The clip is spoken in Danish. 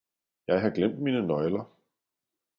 jeg har glemt mine nøgler